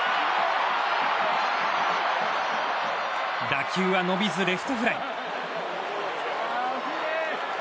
打球は伸びずレフトフライ。